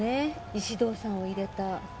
石堂さんを入れた。